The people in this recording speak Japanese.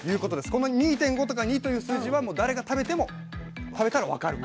この２．５とか２という数字はもう誰が食べても分かる。